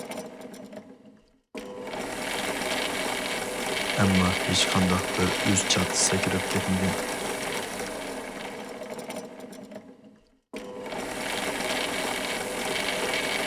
ئەمما ھېچقانداق بىر ئۈزچات سەكرەپ كەتمىگەن.